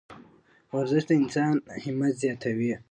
ورزش د انسان همت زیاتوي.